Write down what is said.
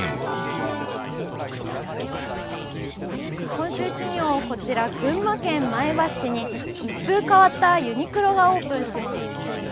今週金曜、こちら群馬県前橋市に一風変わったユニクロがオープンします。